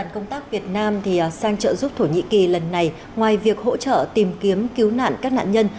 công tác việt nam sang trợ giúp thổ nhĩ kỳ lần này ngoài việc hỗ trợ tìm kiếm cứu nạn các nạn nhân